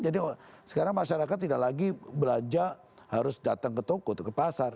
jadi sekarang masyarakat tidak lagi belanja harus datang ke toko atau ke pasar